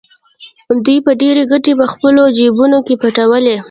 دوی به ډېرې ګټې په خپلو جېبونو کې پټولې